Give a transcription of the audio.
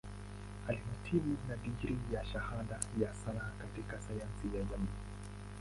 Alihitimu na digrii ya Shahada ya Sanaa katika Sayansi ya Jamii.